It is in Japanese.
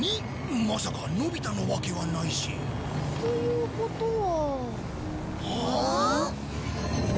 まさかのび太のわけはないし。ということは。